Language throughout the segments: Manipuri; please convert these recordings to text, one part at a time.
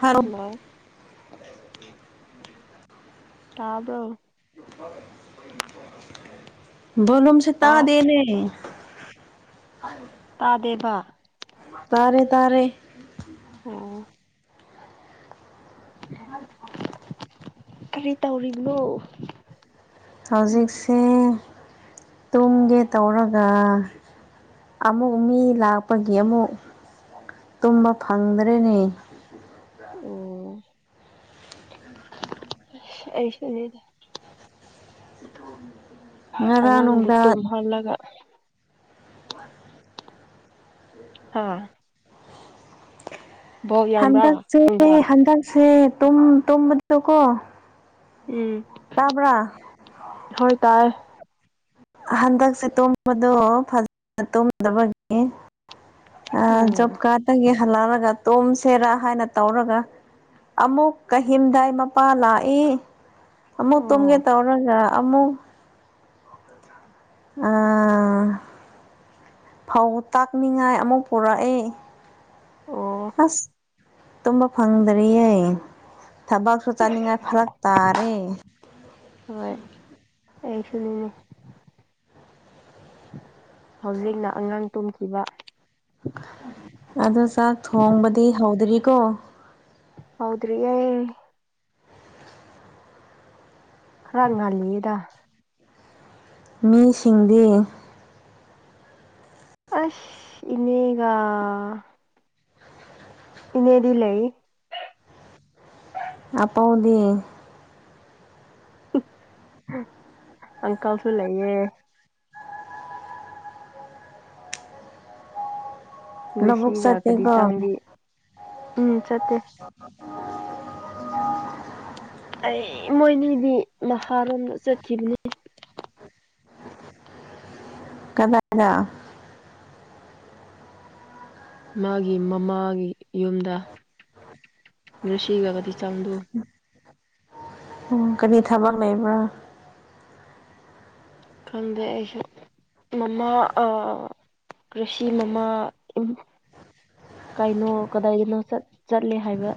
ꯍꯜꯂꯣ ꯂꯣ ꯇꯥꯕ꯭ꯔꯣ ꯚꯣꯂꯨꯝꯁꯦ ꯇꯥꯗꯦꯅꯦ [inaudible] ꯇꯥꯗꯦꯕ ꯇꯥꯔꯦ ꯇꯥꯔꯦ ꯑꯣ [inaudible] [inaudible] ꯀꯔꯤ ꯇꯧꯔꯤꯅꯣ ꯍꯧꯖꯤꯛꯁꯦ ꯇꯨꯝꯒꯦ ꯇꯧꯔꯒ ꯑꯃꯨꯛ ꯃꯤ ꯂꯥꯛꯄꯒꯤ ꯑꯃꯨꯛ ꯇꯨꯝꯕ ꯐꯪꯗ꯭ꯔꯦꯅꯦ ꯑꯣ ꯑꯩꯁꯨꯅꯤꯗ ꯉꯔꯥꯡ ꯑꯉꯥꯡꯗꯤ ꯅꯨꯡꯗꯥꯡ ꯇꯨꯝꯍꯜꯂꯒ [inaudible] ꯍꯥ ꯕꯣꯜ ꯌꯥꯝꯕ꯭ꯔꯥ ꯍꯟꯗꯛꯆꯦ ꯅꯨꯡꯗꯥꯡ ꯍꯟꯗꯛꯁꯦ ꯇꯨꯝ ꯇꯨꯝꯕꯗꯀꯣ ꯎꯝ ꯇꯥꯕ꯭ꯔꯥ ꯍꯣꯏ ꯇꯥꯏ ꯍꯟꯗꯛꯁꯦ [inaudible] ꯑꯥ ꯎꯝ ꯖꯣꯕ ꯀꯥꯠꯇꯒꯤ ꯍꯜꯂꯛꯔꯒ ꯇꯣꯝꯁꯦꯔꯥ ꯍꯥꯏꯅ ꯇꯧꯔꯒ ꯑꯃꯨꯛ ꯀꯍꯤꯝꯗꯥꯏ ꯃꯄꯥ ꯂꯥꯛꯏ ꯑꯃꯨꯛ ꯇꯨꯝꯒꯦ ꯑꯣ ꯇꯧꯔꯒ ꯑꯃꯨꯛ ꯑꯥ ꯐꯧ ꯇꯛꯅꯤꯡꯉꯥꯏ ꯑꯃꯨꯛ ꯄꯨꯔꯛꯑꯦ ꯑꯣ ꯑꯁ ꯇꯨꯝꯕ ꯐꯪꯗꯔꯤꯌꯦ ꯊꯕꯛꯁꯨ ꯆꯠꯅꯤꯡꯉꯥꯏ ꯐꯔꯛ ꯇꯥꯔꯦ ꯍꯣꯏ ꯑꯩꯁꯨꯅꯤꯅꯦ ꯍꯧꯖꯤꯛꯅ ꯑꯉꯥꯡ ꯇꯨꯝꯈꯤꯕ ꯑꯗꯣ ꯆꯥꯛ ꯊꯣꯡꯕꯗꯤ ꯍꯧꯗ꯭ꯔꯤꯀꯣ ꯍꯧꯗ꯭ꯔꯤꯌꯦ ꯈꯔ ꯉꯜꯂꯤꯌꯦꯗ ꯃꯤꯁꯤꯡꯗꯤ ꯑꯁ ꯏꯅꯦꯒ ꯏꯅꯦꯗꯤ ꯂꯩ ꯑꯄꯥꯎꯗꯤ ꯑꯪꯀꯜꯁꯨ ꯂꯩꯌꯦ ꯂꯧꯕꯨꯛ [unintelligible] ꯆꯠꯇꯦꯀꯣ ꯆꯪꯗꯤ ꯎꯝ ꯆꯠꯇꯦ [inaudible] ꯑꯩ ꯃꯣꯏꯅꯤꯗꯤ ꯅꯍꯥꯔꯣꯟꯒ ꯆꯠꯈꯤꯕꯅꯦ ꯀꯗꯥꯏꯗ ꯃꯥꯒꯤ ꯃꯃꯥꯒꯤ ꯌꯨꯝꯗ ꯉꯥꯁꯤꯒꯒꯗꯤ ꯆꯪꯗꯨ ꯑꯣ ꯀꯔꯤ ꯊꯥꯕꯛ ꯂꯩꯕ꯭ꯔꯥ ꯈꯪꯗꯦ ꯑꯩꯁꯨ ꯃꯃꯥ ꯑꯥ ꯀ꯭ꯔꯤꯁꯤ ꯃꯃꯥ ꯀꯩꯅꯣ ꯀꯗꯥꯏꯅꯣ ꯆꯠ ꯆꯠꯂꯦ ꯍꯥꯏꯕ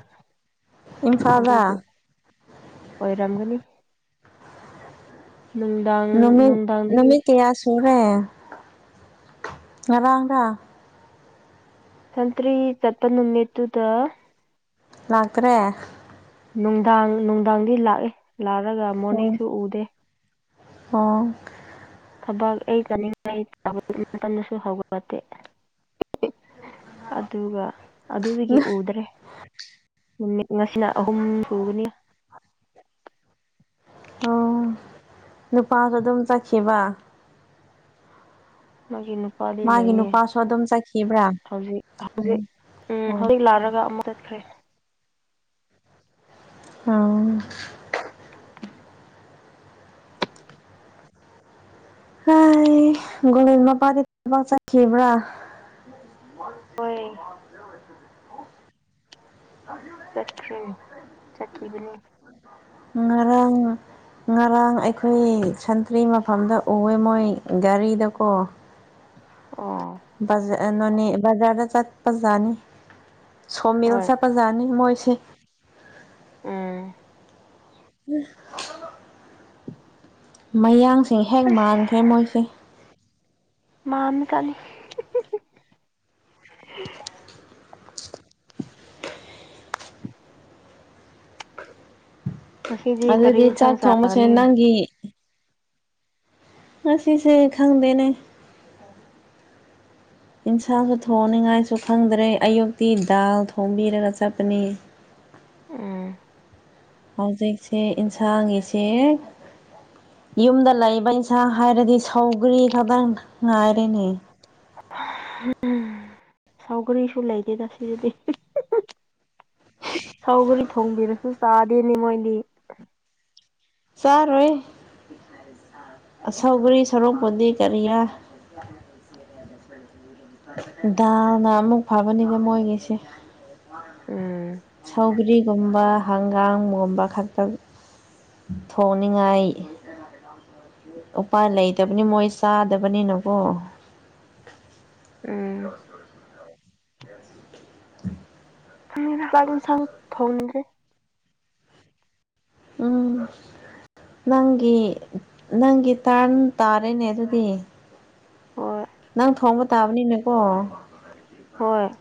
ꯏꯝꯐꯥꯜꯗ ꯑꯗꯨꯒꯤ ꯑꯣꯏꯔꯝꯒꯅꯤ ꯅꯨꯡꯗꯥꯡ ꯅꯨꯃꯤꯠ ꯅꯨꯡꯗꯥꯡꯗꯒꯤ ꯅꯨꯃꯤꯠ ꯀꯌꯥ ꯁꯨꯔꯦ ꯉꯔꯥꯡꯔ ꯁꯟꯇ꯭ꯔꯤ ꯆꯠꯄ ꯅꯨꯃꯤꯠꯇꯨꯗ ꯂꯥꯛꯇ꯭ꯔꯦ ꯅꯨꯡꯗꯥꯡ ꯅꯨꯡꯗꯥꯡꯗꯤ ꯂꯥꯛꯑꯦ ꯂꯥꯛꯔꯒ ꯑꯣ ꯃꯣꯔꯅꯤꯡꯁꯨ ꯎꯗꯦ ꯑꯣ ꯊꯕꯛ ꯑꯩ [inaudible] ꯑꯗꯨꯒ ꯑꯗꯨꯗꯒꯤ ꯎꯗ꯭ꯔꯦ ꯅꯨꯃꯤꯠ ꯉꯁꯤꯅ ꯑꯍꯨꯝ ꯁꯨꯒꯅꯤ ꯑꯣ ꯅꯨꯄꯥꯖꯨ ꯑꯗꯨꯝ ꯆꯠꯈꯤꯕ ꯃꯥꯒꯤꯅꯨ ꯄꯥꯥꯗꯤ ꯃꯥꯒꯤ ꯂꯩꯌꯦ ꯅꯨꯄꯥꯁꯨ ꯑꯗꯨꯝ ꯆꯠꯈꯤꯕ꯭ꯔꯥ ꯍꯧꯖꯤꯛ ꯎꯝ ꯎꯝ ꯍꯧꯖꯤꯛ [inaudible] ꯂꯥꯛꯔꯒ ꯑꯃꯨꯛ ꯆꯠꯈ꯭ꯔꯦ ꯑ ꯍꯥꯏ ꯒꯣꯕꯤꯟ ꯃꯄꯥꯥꯗꯤ ꯊꯕꯛ ꯆꯠꯈꯤꯕ꯭ꯔꯥ ꯑꯣꯏ [inaudible] [inaudible] ꯆꯠꯈ꯭ꯔꯦ ꯆꯠꯈꯤꯕꯅꯦ ꯉꯥꯔꯥꯡ ꯉꯔꯥꯡ ꯑꯩꯈꯣꯏ ꯁꯟꯇ꯭ꯔꯤ ꯃꯐꯝꯗ ꯎꯑꯦ ꯃꯣꯏ ꯒꯥꯔꯤꯗꯀꯣ ꯑꯣ ꯕꯥꯖ ꯅꯣꯅꯦ ꯕꯖꯥꯔꯗ ꯆꯠꯄꯖꯥꯅꯤ ꯁꯣꯃꯤꯜ ꯍꯣꯏ ꯆꯠ ꯄꯖꯥꯅꯤ ꯃꯣꯏꯁꯦ ꯎꯝ [inaudible] ꯃꯌꯥꯡꯁꯦ ꯍꯦꯛ ꯑꯁ ꯃꯥꯟꯈ꯭ꯔꯦ ꯃꯣꯏꯁꯦ ꯃꯥꯟꯁꯅꯤ [inaudible] ꯉꯁꯤꯗꯤ ꯀꯔꯤ ꯏꯟꯁꯥꯡ ꯆꯥꯔꯅꯤ ꯏ ꯉꯥꯁꯤ ꯁꯦ ꯈꯪꯗꯦꯅꯦ ꯏꯟꯁꯥꯡꯁꯨ ꯊꯣꯡꯅꯤꯡꯉꯥꯏꯁꯨ ꯈꯪꯗ꯭ꯔꯦ ꯑꯌꯨꯛꯇꯤ ꯗꯥꯜ ꯊꯣꯡꯝꯕꯤꯔꯒ ꯆꯠꯄꯅꯤ ꯎꯝ ꯍꯧꯖꯤꯛꯁꯦ ꯏꯟꯁꯥꯡꯒꯤꯁꯦ ꯌꯨꯝꯗ ꯂꯩꯕ ꯏꯟꯁ ꯏꯟꯁꯥꯡ ꯍꯥꯏꯔꯗꯤ ꯁꯧꯒ꯭ꯔꯤ ꯈꯛꯇꯪ ꯉꯥꯏꯔꯦꯅꯦ ꯁꯥꯎꯒ꯭ꯔꯤꯁꯨ ꯂꯩꯗꯦꯗ ꯁꯤꯗꯤ ꯁꯧꯒꯔꯤ ꯊꯣꯡꯕꯤꯔꯁꯨ ꯆꯥꯗꯦꯅꯦ ꯃꯣꯏꯗꯤ ꯆꯥꯔꯣꯏ ꯑ ꯁꯥꯎꯒ꯭ꯔꯤ ꯁꯔꯣꯛꯄꯨꯗꯤ ꯀꯔꯤꯔ [inaudible] ꯗꯥꯜꯅ ꯑꯃꯨꯛ ꯐꯕꯅꯤꯕ ꯃꯣꯏꯒꯤꯁꯦ ꯎꯝ ꯁꯧꯒ꯭ꯔꯤꯒꯨꯝꯕ ꯍꯪꯒꯥꯝꯒꯨꯝꯕ ꯈꯛꯇ ꯊꯣꯡꯅꯤꯡꯉꯥꯏ ꯎꯄꯥꯏ ꯂꯩꯇꯕꯅꯤ ꯃꯣꯏ ꯆꯥꯗꯕꯅꯤꯅꯀꯣ ꯎꯝ [inaudible] [inaudible] ꯎꯝ ꯅꯪꯒꯤ ꯅꯪꯒꯤ ꯇꯥꯔ꯭ꯟ ꯇꯥꯔꯦꯅꯦ ꯑꯗꯨꯗꯤ ꯍꯣꯏ ꯅꯪ ꯊꯣꯡꯕ ꯇꯥꯕꯅꯤꯅꯦꯀꯣ ꯍꯣꯏ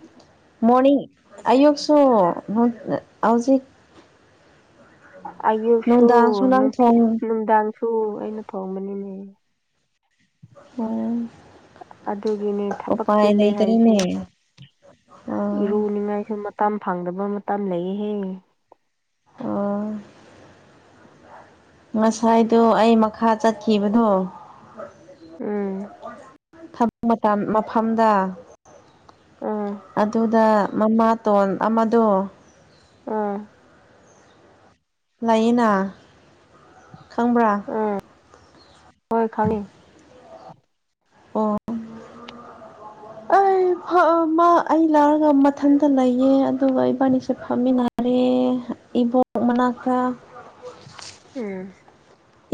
ꯃꯣꯔꯅꯤꯡ ꯑꯌꯨꯛꯁꯨ ꯍꯧꯖꯤꯛ ꯑꯌꯨꯛꯁꯨ ꯅꯨꯡꯗꯥꯡꯁꯨ ꯅꯪ ꯅꯨꯡꯊꯤꯟ ꯊꯣꯡ ꯅꯨꯡꯗꯥꯡꯁꯨ ꯑꯩꯅ ꯊꯣꯡꯕꯅꯤꯅꯦ [unintelligible] ꯑꯗꯨꯒꯤꯅꯦ ꯊꯕꯛ ꯎꯄꯥꯏ ꯆꯤꯜꯂꯦ ꯍꯥꯏꯔꯤꯁꯦ ꯂꯩꯇꯔꯦꯅꯦ ꯑꯥ ꯏꯔꯨꯅꯤꯡꯉꯥꯏꯁꯨ ꯃꯇꯝ ꯐꯪꯗꯕ ꯃꯇꯝ ꯂꯩꯌꯦꯍꯦ ꯑꯣ꯫ ꯉꯁꯥꯏꯗꯣ ꯑꯩ ꯃꯈꯥ ꯆꯠꯈꯤꯕꯗꯣ [inaudible] ꯎꯝ꯫ [inaudible] ꯃꯐꯝꯗ ꯎꯝ ꯑꯗꯨꯗ ꯃꯃꯥ ꯇꯣꯟ ꯑꯃꯗꯣ ꯑꯥ ꯂꯌꯦꯅꯥ ꯈꯪꯕ꯭ꯔꯥ ꯑꯥ ꯍꯣꯏ ꯈꯪꯉꯦ ꯑꯣ ꯑꯩ ꯐꯑꯃ ꯑꯩ ꯂꯥꯛꯔꯒ ꯃꯊꯟꯇ ꯂꯩꯌꯦ ꯑꯗꯨꯒ ꯏꯕꯥꯅꯤꯁꯦ ꯐꯝꯃꯤꯅ ꯔꯦ ꯏꯕꯣꯛ ꯃꯅꯥꯛꯇ ꯎꯝ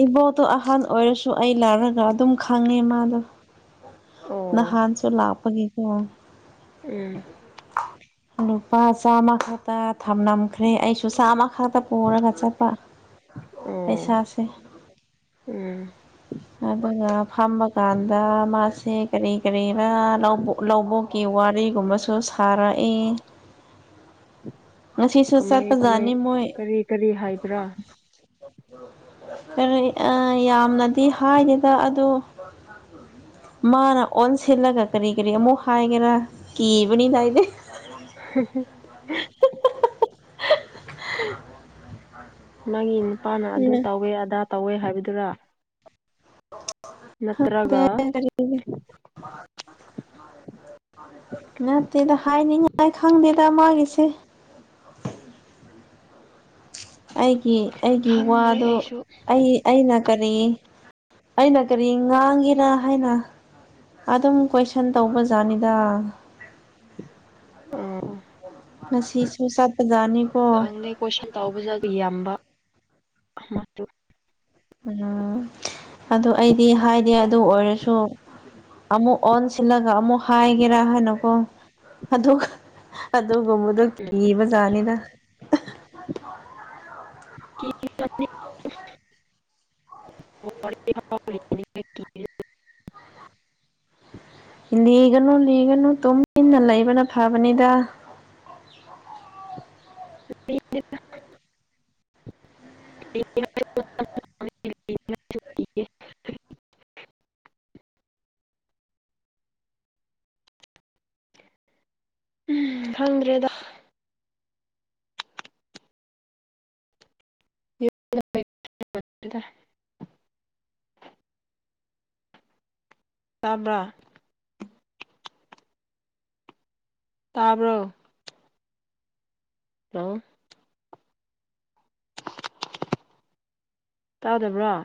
ꯏꯕꯣꯇꯣ ꯑꯍꯟ ꯑꯣꯏꯔꯁꯨ ꯑꯩ ꯂꯥꯔꯒ ꯑꯗꯨꯝ ꯈꯪꯉꯦ ꯃꯥꯗꯣ ꯑꯣ ꯅꯍꯥꯟꯁꯨ ꯂꯥꯛꯄꯒꯤꯀꯣ ꯎꯝ ꯂꯨꯄꯥ ꯆꯥꯝꯃ ꯈꯛꯇ ꯊꯝꯂꯝꯈ꯭ꯔꯦ ꯑꯩꯁꯨ ꯆꯥꯝꯃ ꯈꯛꯇ ꯄꯨꯔꯒ ꯆꯠꯄ ꯑꯣ ꯄꯩꯁꯥꯁꯦ ꯎꯝ ꯑꯗꯨꯒ ꯐꯝꯕ ꯀꯥꯟꯗ ꯃꯥꯁꯦ ꯀꯔꯤ ꯀꯔꯤꯔꯥ ꯂꯧꯕꯨ ꯂꯧꯕꯨꯛ ꯀꯤ ꯋꯥꯔꯤꯒꯨꯝꯕꯁꯨ ꯁꯥꯔꯛꯏ ꯉꯁꯤꯁꯨ ꯀꯃꯥꯏ ꯀꯃꯥꯏ ꯆꯠꯄꯖꯥꯅꯤ ꯃꯣꯏ ꯀꯔꯤ ꯀꯔꯤ ꯍꯥꯏꯕ꯭ꯔꯥ ꯀꯔꯤ ꯑꯥ ꯌꯥꯝꯅꯗꯤ ꯍꯥꯏꯗꯦꯗ ꯑꯗꯣ ꯃꯥꯅ ꯑꯣꯟꯁꯤꯜꯂꯒ ꯀꯔꯤ ꯀꯔꯤ ꯑꯃꯨꯛ ꯍꯥꯏꯒꯦꯔꯥ ꯀꯤꯕꯅꯤꯗ ꯑꯩꯗꯤ [inaudible] ꯃꯥꯒꯤ ꯅꯨꯄꯥꯅ ꯑꯗꯨ ꯇꯧꯋꯦ ꯑꯗꯥ ꯇꯧꯋꯦ ꯍꯥꯏꯕꯗꯨꯔꯥ ꯅꯠꯇ꯭ꯔꯒ [inaudible] ꯅꯠꯇꯦꯗ ꯍꯥꯏꯅꯤꯡꯉꯥꯏ ꯈꯪꯗꯦꯗ ꯃꯥꯒꯤꯁꯦ ꯑꯩꯒꯤ ꯑꯩꯒꯤ ꯈꯪꯗ꯭ꯔꯦ ꯋꯥꯗꯣ ꯑꯩꯁꯨ ꯑꯩ ꯑꯩꯅ ꯀꯔꯤ ꯑꯩꯅ ꯀꯔꯤ ꯉꯥꯡꯒꯦꯅ ꯍꯥꯏꯅ ꯑꯗꯨꯝ ꯀꯣꯏꯁꯟ ꯇꯧꯕꯖꯥꯠꯅꯤꯗ [inaudible] ꯑꯣ ꯉꯁꯤꯁꯨ ꯆꯠꯄꯖꯥꯠꯅꯤ ꯀꯣ ꯈꯪꯗꯦ ꯀꯣꯏꯁꯟ ꯇꯧꯕꯖꯗꯤ ꯌꯥꯝꯕ ꯃꯇꯨ ꯑꯣꯖꯥ ꯑꯗꯨ ꯑꯩꯗꯤ ꯍꯥꯏꯗꯦ ꯑꯗꯨ ꯑꯣꯏꯔꯁꯨ ꯑꯃꯨꯛ ꯑꯣꯟꯁꯤꯜꯂꯒ ꯑꯃꯨꯛ ꯍꯥꯏꯒꯦꯔꯥ ꯍꯥꯏꯅꯀꯣ ꯑꯗꯨꯒ ꯑꯗꯨꯒꯨꯝꯕꯗꯣ ꯀꯤꯕꯖꯥꯠꯅꯤꯗ꯫ [inaudible] [inaudible] ꯂꯤꯒꯅꯨ ꯂꯤꯒꯅꯨ ꯇꯨꯝ ꯏꯟꯅ ꯂꯩꯕꯅ ꯐꯕꯅꯤꯗ꯫ [inaudible] ꯎꯝ ꯈꯪꯗ꯭ꯔꯦꯗ꯫ [inaudible] ꯇꯥꯕ꯭ꯔꯥ꯫ ꯇꯥꯕ꯭ꯔꯣ꯫ ꯂꯣ꯫ ꯇꯥꯗꯕ꯭ꯔ‌ꯣ꯫